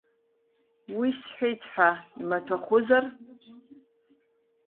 Уи сҳәеит ҳәа, имаҭәахәызар?